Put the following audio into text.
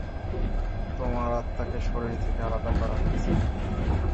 তোমার আত্মাকে শরীর থেকে আলাদা করা হয়েছে।